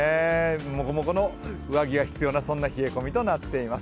もこもこの上着が必要なそんな冷え込みとなっています。